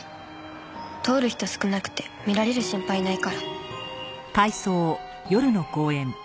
通る人少なくて見られる心配ないから。